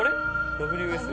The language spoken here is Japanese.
ＷＳ？」